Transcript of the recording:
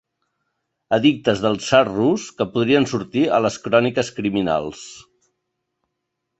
Edictes del tsar rus que podrien sortir a les cròniques criminals.